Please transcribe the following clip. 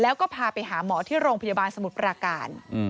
แล้วก็พาไปหาหมอที่โรงพยาบาลสมุทรปราการ